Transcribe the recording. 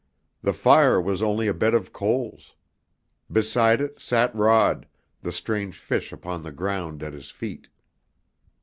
The fire was only a bed of coals. Beside it sat Rod, the strange fish upon the ground at his feet.